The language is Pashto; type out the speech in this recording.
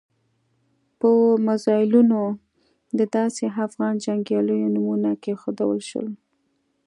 په میزایلونو د داسې افغان جنګیالیو نومونه کېښودل شول.